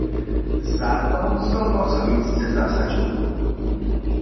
Za to so wosobinsce zasadźu.